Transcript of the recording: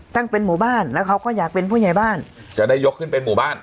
ตั้งเป็นหมู่บ้านแล้วเขาก็อยากเป็นผู้ใหญ่บ้านจะได้ยกขึ้นเป็นหมู่บ้าน